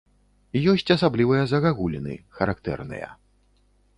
Ёсць асаблівыя загагуліны, характэрныя.